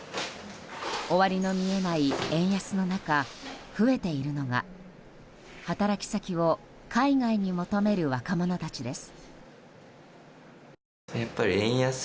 終わりの見えない円安の中増えているのが働き先を海外に求める若者たちです。